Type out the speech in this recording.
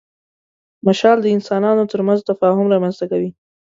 مشال د انسانانو تر منځ تفاهم رامنځ ته کوي.